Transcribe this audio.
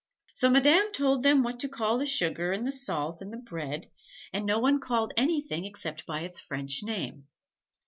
So Madame told them what to call the sugar and the salt and the bread, and no one called anything except by its French name.